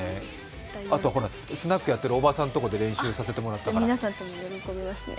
あと、スナックやってるおばさんのところで練習させてもらったんだよね？